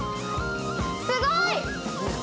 すごい！